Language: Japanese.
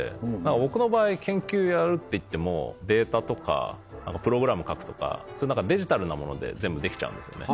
僕の場合研究やるっていってもデータとかプログラム書くとかそういうデジタルなもので全部できちゃうんですよね。